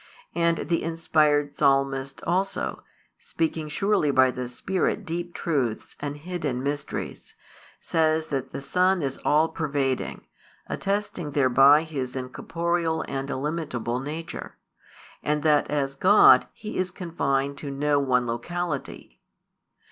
And the inspired Psalmist also, speaking surely by the Spirit deep truths and hidden mysteries, says that the Son is all pervading, attesting thereby His incorporeal and illimitable nature, and that as God He is confined to no one locality.